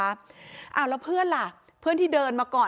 อ้าวแล้วเพื่อนล่ะเพื่อนที่เดินมาก่อน